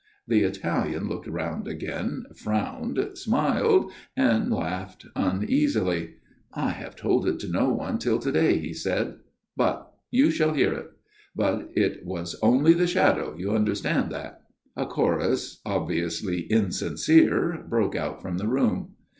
The Italian looked round again, frowned, smiled, and laughed uneasily. " I have told it to no one till to day," he said, " but you shall hear it. But it was only the shadow you understand that ?" A chorus, obviously insincere, broke out from the room.